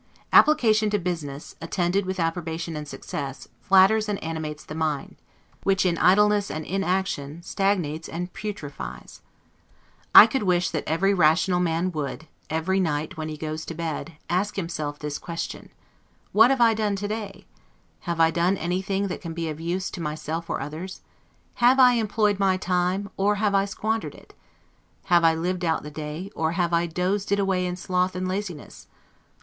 Application to business, attended with approbation and success, flatters and animates the mind: which, in idleness and inaction, stagnates and putrefies. I could wish that every rational man would, every night when he goes to bed, ask himself this question, What have I done to day? Have I done anything that can be of use to myself or others? Have I employed my time, or have I squandered it? Have I lived out the day, or have I dozed it away in sloth and laziness?